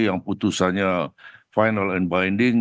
yang putusannya final and binding